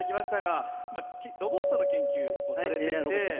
ロボットの研究をされていて。